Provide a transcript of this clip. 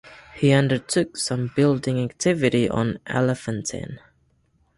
He undertook some building activity on Elephantine.